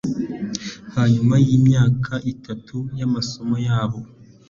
hanyuma y'iyo myaka itatu y'amasomo yabo